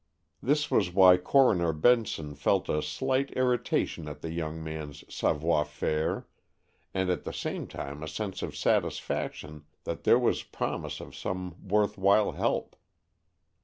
This was why Coroner Benson felt a slight irritation at the young man's savoir faire, and at the same time a sense of satisfaction that there was promise of some worth while help.